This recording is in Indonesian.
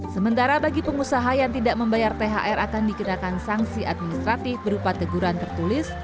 sementara bagi pengusaha yang tidak membayar thr akan dikenakan sanksi administratif berupa teguran tertulis